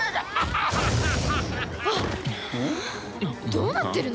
どうなってるの？